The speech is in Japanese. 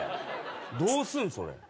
どうすんのそれ。